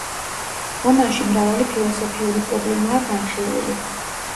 რომანში მრავალი ფილოსოფიური პრობლემაა განხილული.